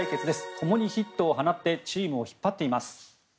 共にヒットを放ってチームを引っ張っています。